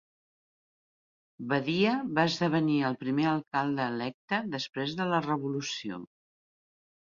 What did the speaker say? Badia va esdevenir el primer alcalde electe després de la revolució.